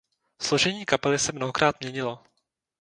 Složení kapely se mnohokrát měnilo.